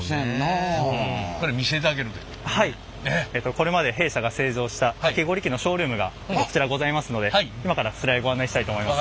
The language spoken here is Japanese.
これまで弊社が製造したかき氷機のショールームがこちらございますので今からそちらへご案内したいと思います。